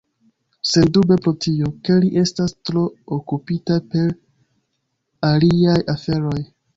Sendube pro tio, ke li estas tro okupita per aliaj aferoj.